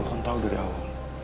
kamu kan tahu dari awal